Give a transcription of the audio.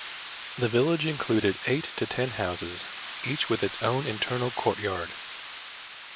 The village included eight to ten houses, each with its own internal courtyard.